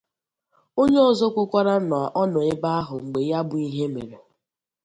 Onye ọzọ kwukwara na ọ nọ ebe ahụ mgbe ya bụ ihe mere